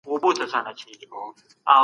موږ په ګډه يو مضمون وليکه.